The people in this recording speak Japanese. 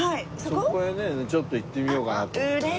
そこへねちょっと行ってみようかなと思ってね。